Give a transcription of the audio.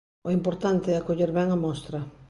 O importante é coller ben a mostra.